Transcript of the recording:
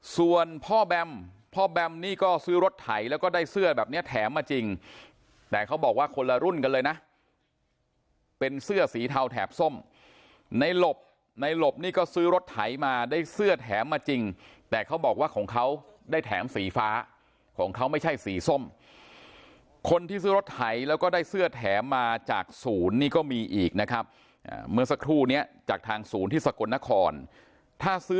ส่วนพ่อแบมพ่อแบมนี่ก็ซื้อรถไถแล้วก็ได้เสื้อแบบเนี้ยแถมมาจริงแต่เขาบอกว่าคนละรุ่นกันเลยนะเป็นเสื้อสีเทาแถบส้มในหลบในหลบนี่ก็ซื้อรถไถมาได้เสื้อแถมมาจริงแต่เขาบอกว่าของเขาได้แถมสีฟ้าของเขาไม่ใช่สีส้มคนที่ซื้อรถไถแล้วก็ได้เสื้อแถมมาจากศูนย์นี่ก็มีอีกนะครับเมื่อสักครู่เนี้ยจากทางศูนย์ที่สกลนครถ้าซื้อ